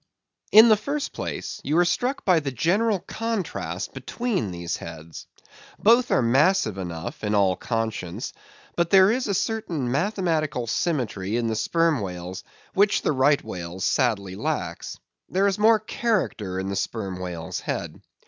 In the first place, you are struck by the general contrast between these heads. Both are massive enough in all conscience; but there is a certain mathematical symmetry in the Sperm Whale's which the Right Whale's sadly lacks. There is more character in the Sperm Whale's head.